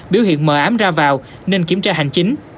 biểu hiện mờ ám ra vào nên kiểm tra hành chính